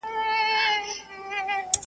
یو ناڅاپه یې زړه ډوب سو حال یې بل سو